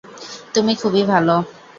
তুমি খুবই ভালো।